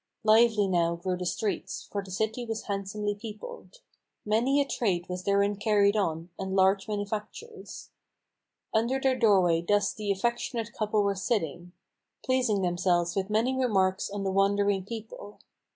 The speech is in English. Lively now grew the streets, for the city was handsomely peopled. Many a trade was therein carried on, and large manufactures. Under their doorway thus the affectionate couple were sitting, Pleasing themselves with many remarks on the wandering people.